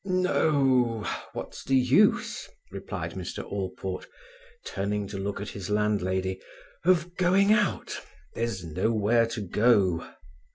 "No—o! What's the use," replied Mr Allport, turning to look at his landlady, "of going out? There's nowhere to go."